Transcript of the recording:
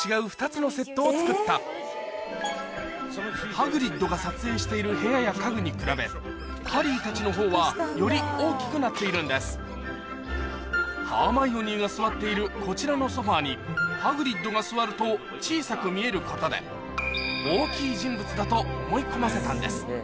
ハグリッドが撮影している部屋や家具に比べハリーたちの方はより大きくなっているんですハーマイオニーが座っているこちらのソファにハグリッドが座ると小さく見えることで大きい人物だと思い込ませたんです